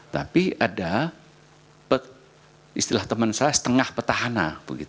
tapi ada istilah teman saya setengah petahana